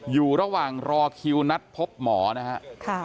อยู่ระหว่างรอคิวนัดพบหมอนะครับ